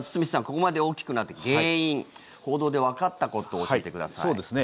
ここまで大きくなった原因報道でわかったことを教えてください。